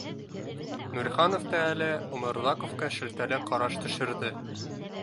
Нуриханов та әле Оморҙаҡовҡа шелтәле ҡараш төшөрҙө